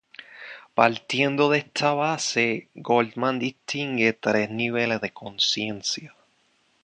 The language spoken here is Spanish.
Partiendo de esta base, Goldmann distingue tres niveles de conciencia.